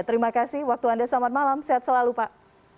terima kasih waktu anda selamat malam sehat selalu pak